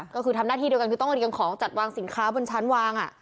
ก็คือทำหน้าที่เดียวกันคือต้องเรียงของจัดวางสินค้าบนชั้นวาง